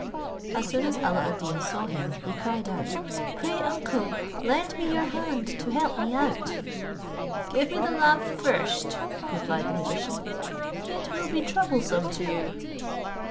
As soon as Alla ad Deen saw him, he cried out, "Pray, uncle, lend me your hand, to help me out." "Give me the lamp first," replied the magician; "it will be troublesome to you."